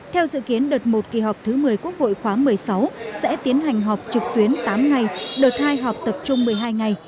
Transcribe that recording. theo dự kiến đợt một kỳ họp thứ một mươi quốc hội khóa một mươi sáu sẽ tiến hành họp trực tuyến tám ngày đợt hai họp tập trung một mươi hai ngày